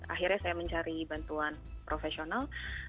akhirnya saya mencari bantuan profesional